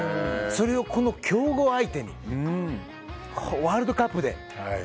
それを強豪相手にワールドカップで。